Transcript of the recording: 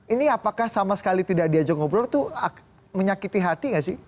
ini apakah sama sekali tidak diajak ngobrol itu menyakiti hati gak sih